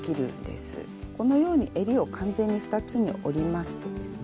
このようにえりを完全に２つに折りますとですね